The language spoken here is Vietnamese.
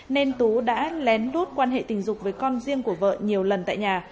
nên tú đã lén lút quan hệ tình dục với con riêng của vợ nhiều lần tại nhà